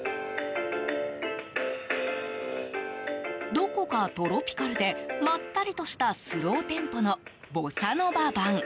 どこかトロピカルでまったりとしたスローテンポのボサノバ版。